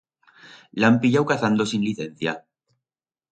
L'han pillau cazando sin licencia.